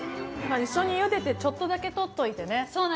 一緒にゆでて、ちょっとだけ取っておいてね。